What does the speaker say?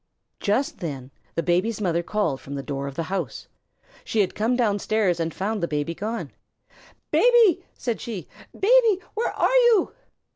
Just then the Baby's mother called from the door of the house. She had come downstairs and found the Baby gone. "Baby!" said she. "Baby! Where are you?"